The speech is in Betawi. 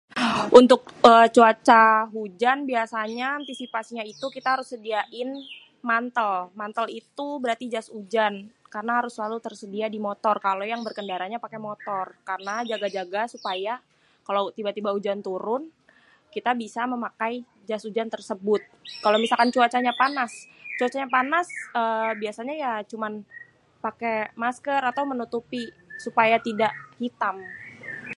Untuk cuaca hujan biasanya antisipasinya itu kita harus sediain mantêl. Mantêl itu berarti jas ujan. Karena harus selalu tersedia di motor kalo yang berkendaranya pakè motor. Karena jaga-jaga supaya kalo tiba-tiba ujan turun kita bisa memakai jas ujan tersebut. Kalo misalkan cuacanya panas, cuacanya panas, êêê, biasanya ya cuman paké masker ato menutupi supaya tidak hitam.